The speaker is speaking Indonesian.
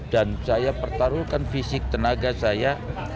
dan saya pertaruhkan fisik tenaga saya